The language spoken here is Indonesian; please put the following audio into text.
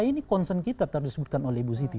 ini konsen kita tersebutkan oleh ibu siti